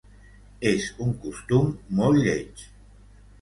És un costum molt lleig.